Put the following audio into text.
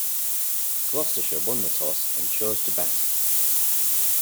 Gloucestershire won the toss and chose to bat.